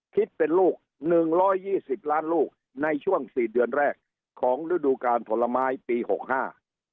คิดเป็นลูกหนึ่งร้อยยี่สิบล้านลูกในช่วงสี่เดือนแรกของฤดูการผลไม้ปีหกห้า